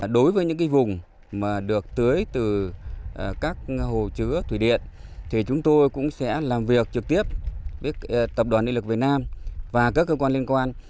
đối với những vùng mà được tưới từ các hồ chứa thủy điện thì chúng tôi cũng sẽ làm việc trực tiếp với tập đoàn địa lực việt nam và các cơ quan liên quan